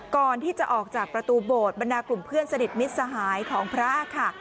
ก่อนที่จะออกจากประตูโบสถบรรดากลุ่มเพื่อนสนิทมิตรสหายของพระค่ะ